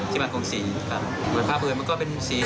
เหมือนภาพอื่นมันก็เป็นสีทั่วไปคนเคย